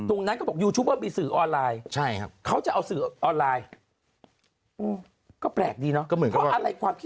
เขาบอกยูทูบเบอร์มีสื่อออนไลน์เขาจะเอาสื่อออนไลน์ก็แปลกดีเนาะ